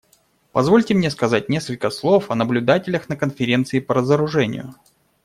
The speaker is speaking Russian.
Позвольте мне сказать несколько слов о наблюдателях на Конференции по разоружению.